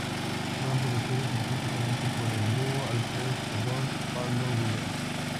Fueron producidas artísticamente por el dúo Alfredo Toth-Pablo Guyot.